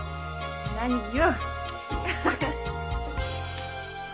何よ！